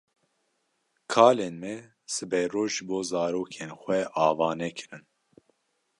Kalên me siberoj ji bo zarokên xwe ava nekirin.